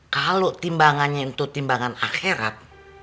kalau timbangannya itu timbangan akhirat